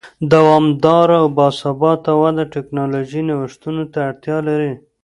دوامداره او با ثباته وده ټکنالوژیکي نوښتونو ته اړتیا لري.